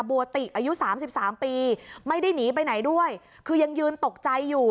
บัวติกอายุสามสิบสามปีไม่ได้หนีไปไหนด้วยคือยังยืนตกใจอยู่